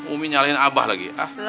umi nyalahin abah lagi ah